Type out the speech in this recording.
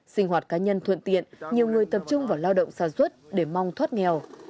sinh hoạt cá nhân thuận tiện nhiều người tập trung vào lao động sản xuất để mong thoát nghèo